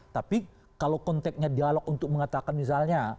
tapi kalau konteknya dialog untuk mengatakan misalnya